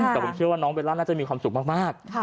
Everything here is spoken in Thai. แต่ผมเชื่อว่าน้องเบลล่าน่าจะมีความสุขมาก